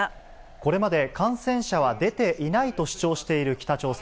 これまで、感染者は出ていないと主張している北朝鮮。